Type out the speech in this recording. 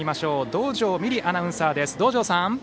道上美璃アナウンサーです。